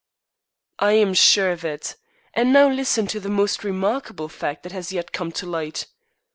"I am sure of it. And now listen to the most remarkable fact that has yet come to light.